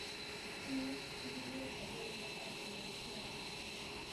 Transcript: Tinyei njiriot akenge ak makatiat